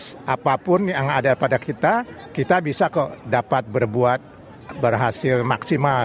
proses apapun yang ada pada kita kita bisa kok dapat berbuat berhasil maksimal